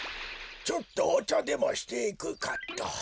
ちょっとおちゃでもしていくかっと。